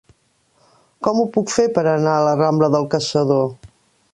Com ho puc fer per anar a la rambla del Caçador?